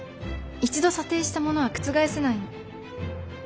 一度査定したものは覆せないの。